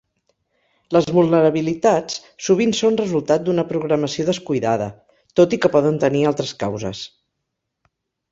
Les vulnerabilitats sovint són resultat d'una programació descuidada, tot i que poden tenir altres causes.